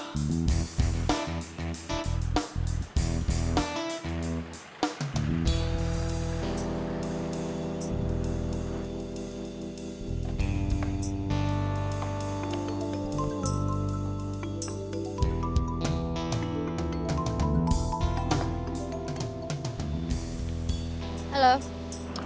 sampai jumpa di video selanjutnya